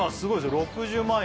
６０万円